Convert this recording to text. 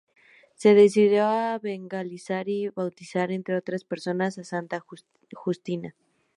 Se dedicó a evangelizar y a bautizar, entre otras personas, a santa Justina.